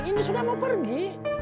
ini sudah mau pergi